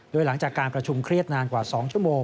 โดยหลังจากการประชุมเครียดนานกว่า๒ชั่วโมง